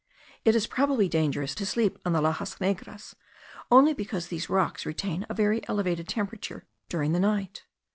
It is probably dangerous to sleep on the laxas negras, only because these rocks retain a very elevated temperature during the night.